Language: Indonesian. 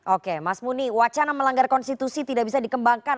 oke mas muni wacana melanggar konstitusi tidak bisa dikembangkan